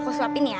aku aku suapin ya